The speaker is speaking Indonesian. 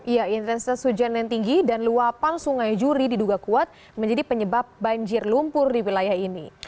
ya intensitas hujan yang tinggi dan luapan sungai juri diduga kuat menjadi penyebab banjir lumpur di wilayah ini